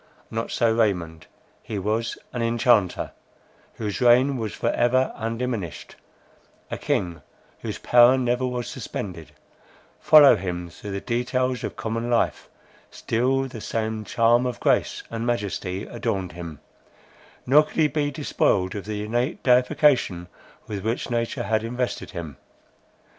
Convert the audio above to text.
Not so Raymond; he was an enchanter, whose reign was for ever undiminished; a king whose power never was suspended: follow him through the details of common life, still the same charm of grace and majesty adorned him; nor could he be despoiled of the innate deification with which nature had invested him.